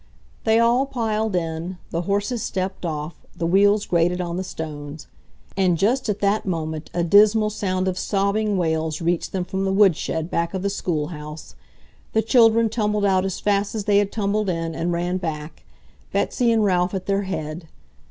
They all piled in, the horses stepped off, the wheels grated on the stones. And just at that moment a dismal sound of sobbing wails reached them from the woodshed back of the schoolhouse. The children tumbled out as fast as they had tumbled in, and ran back, Betsy and Ralph at their head.